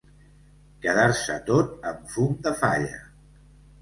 Quedar-se tot en fum de falla.